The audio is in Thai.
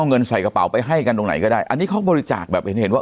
เงินใส่กระเป๋าไปให้กันตรงไหนก็ได้อันนี้เขาบริจาคแบบเห็นเห็นว่า